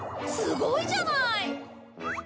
すごいじゃない！